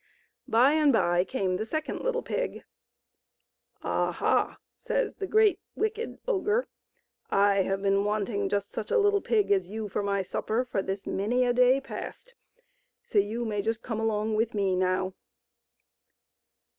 By and by came the second little pig. " Aha !" says the great, wicked ogre, " I have been wanting just such a little pig as you for my supper for this many a day past. So you may just come along with me now."